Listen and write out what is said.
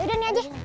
yaudah nih aja